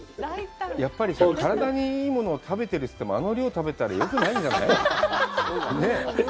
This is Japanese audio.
やっぱりさ、体にいいものを食べてるといっても、あの量を食べたら、よくないんじゃない？ねえ？